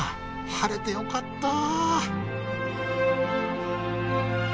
晴れてよかった！